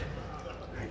はい。